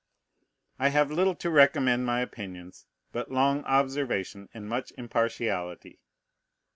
I have little to recommend my opinions but long observation and much impartiality.